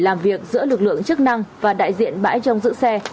làm việc giữa lực lượng chức năng và đại diện bãi trong giữ xe